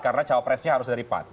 karena capres nya harus dari pak